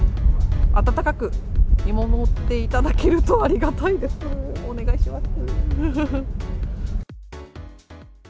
温かく見守っていただけるとありがたいですー、お願いします。